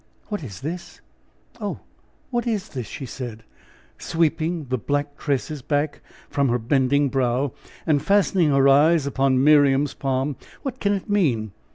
"What is this? Oh! what is this?" she said, sweeping the black tresses back from her bending brow, and fastening her eyes upon Miriam's palm. "What can it mean?